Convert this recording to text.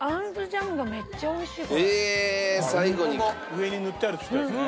上に塗ってあるっつってたやつね。